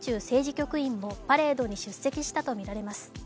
局員もパレードに出席したとみられます。